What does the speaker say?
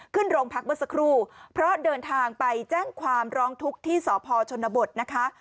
ขึ้นโรงพักเมื่อสักครู่เพราะเดินทางไปแจ้งความร้องทุกข์ที่สพชนบทนะคะ